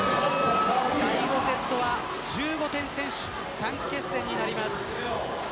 第４セットは１５点先取の短期決戦となります。